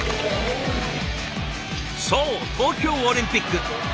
そう東京オリンピック！